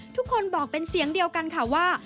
ทุกคนบอกเป็นเสียงเดียวกันค่ะว่า